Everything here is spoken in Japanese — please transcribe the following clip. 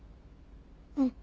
うん。